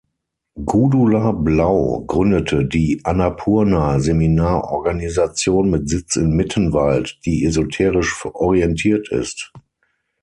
Gudula Blau gründete die Annapurna-Seminarorganisation mit Sitz in Mittenwald, die esoterisch orientiert ist.